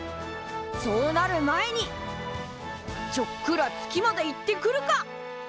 そうなる前にちょっくら月まで行ってくるか！